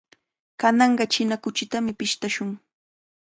Kananqa china kuchitami pishtashun.